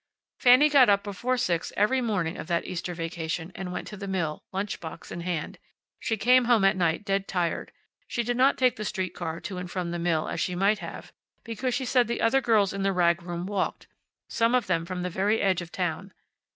Fanny got up before six every morning of that Easter vacation, and went to the mill, lunch box in hand. She came home at night dead tired. She did not take the street car to and from the mill, as she might have, because she said the other girls in the rag room walked, some of them from the very edge of town.